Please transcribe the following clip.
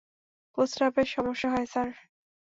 প্রস্রাবের সমস্যা হয়, স্যার।